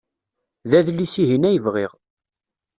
D adlis-ihin ay bɣiɣ.